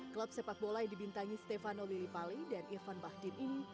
klub sepak bola yang dibintangi stefano lilipali dan irfan bahdin ini